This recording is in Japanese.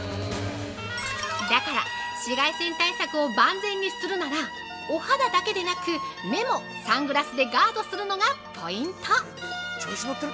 だから、紫外線対策を万全にするならお肌だけでなく目もサングラスでガードするのがポイント。